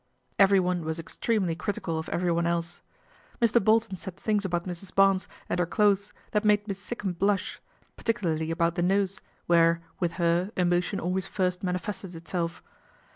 Everyone was extremely critical of everyone else. Mr. Bolton said things about Mrs. Barnes and her clothes that made Miss Sikkum blush, particularly about the nose, where, with her, emotion always first manifested itself.